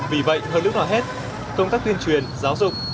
vì vậy hơn lúc nào hết công tác tuyên truyền giáo dục